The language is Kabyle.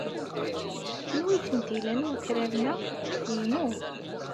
Anwa ay ten-ilan wakraren-a? Inu.